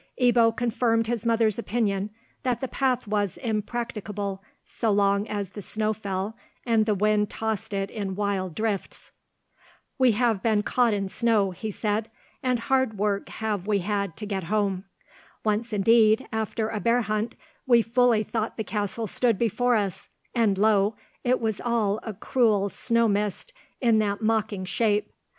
Ebbo confirmed his mother's opinion that the path was impracticable so long as the snow fell, and the wind tossed it in wild drifts. "We have been caught in snow," he said, "and hard work have we had to get home! Once indeed, after a bear hunt, we fully thought the castle stood before us, and lo! it was all a cruel snow mist in that mocking shape.